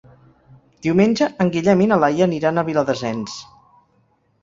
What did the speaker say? Diumenge en Guillem i na Laia aniran a Viladasens.